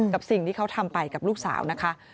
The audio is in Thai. กับสิ่งที่เขาทำไปกับลูกสาวนะคะ